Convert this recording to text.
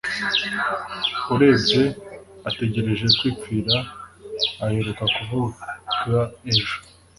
urebye ategereje kwipfira aheruka kuvuga ejo.